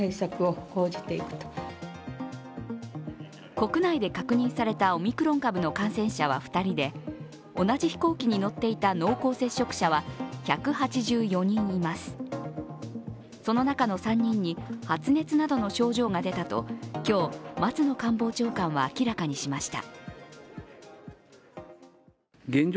国内で確認されたオミクロン株の感染者は２人でその中の３人に発熱などの症状が出たと今日、松野官房長官は明らかにしました。